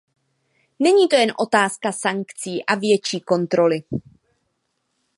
Není to jen otázka sankcí a větší kontroly.